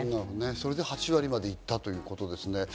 それで８割まで行ったということですね。